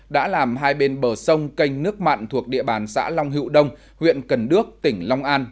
đã làm hai bên bờ sông canh nước mặn thuộc địa bàn xã long hữu đông huyện cần đước tỉnh long an